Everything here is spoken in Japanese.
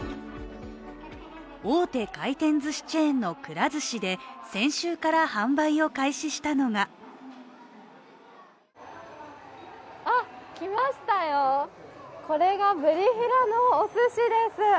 大手回転ずしチェーンのくら寿司で先週から販売を開始したのが来ましたよ、これがブリヒラのおすしです。